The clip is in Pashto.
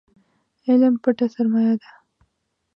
علم پټه سرمايه ده